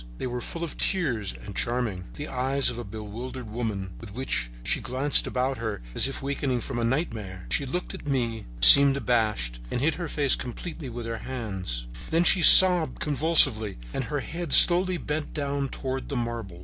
They were full of tears and charming, the eyes of a bewildered woman, with which she glanced about her as if awaking from a nightmare. She looked at me, seemed abashed and hid her face completely in her hands. Then she sobbed convulsively, and her head slowly bent down toward the marble.